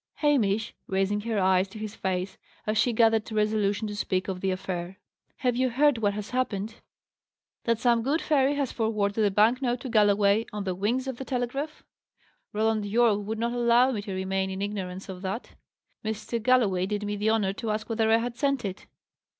"Hamish!" raising her eyes to his face, as she gathered resolution to speak of the affair: "have you heard what has happened?" "That some good fairy has forwarded a bank note to Galloway on the wings of the telegraph? Roland Yorke would not allow me to remain in ignorance of that. Mr. Galloway did me the honour to ask whether I had sent it."